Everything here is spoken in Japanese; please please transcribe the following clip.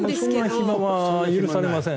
そんな暇は許されません。